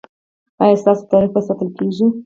ایا ستاسو تاریخ به ساتل کیږي؟